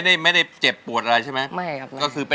ท่าแบบปุ๊บปุ๊บปุ๊บ